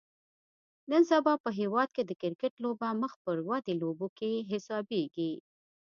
نن سبا په هیواد کې د کرکټ لوبه مخ پر ودې لوبو کې حسابیږي